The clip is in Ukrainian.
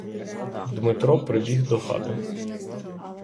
Дмитро прибіг до хати.